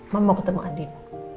mama mau ketemu andin